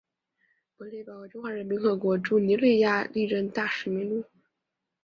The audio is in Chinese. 本列表为中华人民共和国驻尼日利亚历任大使名录。